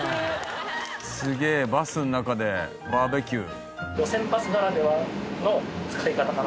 すげえバスの中でバーベキュー。